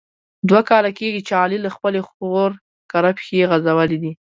دوه کاله کېږي چې علي له خپلې خور کره پښې غزولي دي.